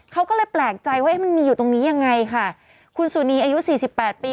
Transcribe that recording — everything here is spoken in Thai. เขาก็เลยแปลกใจว่าเอ๊ะมันมีอยู่ตรงนี้ยังไงค่ะคุณสุนีอายุสี่สิบแปดปี